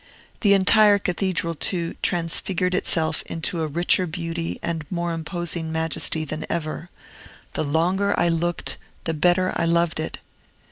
The entire Cathedral, too, transfigured itself into a richer beauty and more imposing majesty than ever. The longer I looked, the better I loved it.